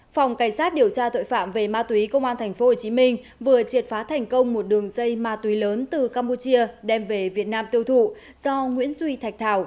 phòng cảnh sát điều tra tội phạm về ma túy công an tp hcm vừa triệt phá thành công một đường dây ma túy lớn từ campuchia đem về việt nam tiêu thụ do nguyễn duy thạch thảo